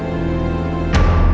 laki laki itu masih hidup